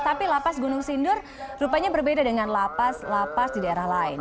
tapi lapas gunung sindur rupanya berbeda dengan lapas lapas di daerah lain